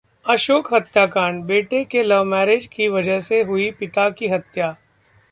अशोक हत्याकांड: बेटे के लव मैरिज की वजह से हुई पिता की हत्या!